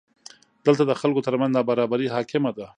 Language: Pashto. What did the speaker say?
دلته د خلکو ترمنځ نابرابري حاکمه ده.